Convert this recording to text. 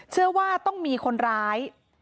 เชื่อว่าต้องมีคนร้าย